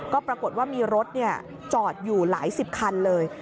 ก็ปรากฏว่ามีรถจอดอยู่หลายสิบคันเลย